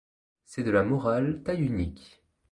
C’est de la morale taille unique.